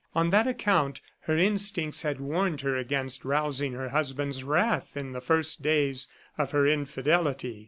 On that account, her instincts had warned her against rousing her husband's wrath in the first days of her infidelity.